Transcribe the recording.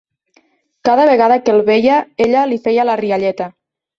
Cada vegada que el veia, ella li feia la rialleta.